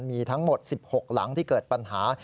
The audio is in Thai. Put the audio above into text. มีทั้งหมด๑๖หลังที่เกิดปัญหา